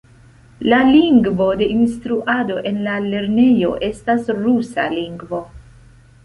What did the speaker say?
La lingvo de instruado en la lernejo estas rusa lingvo.